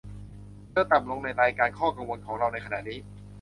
เธอต่ำลงในรายการข้อกังวลของเราในขณะนี้